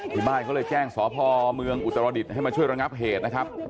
ที่บ้านเขาเลยแจ้งสพเมืองอุตรดิษฐ์ให้มาช่วยระงับเหตุนะครับ